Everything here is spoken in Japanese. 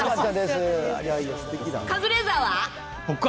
カズレーザーは？